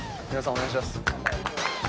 お願いします。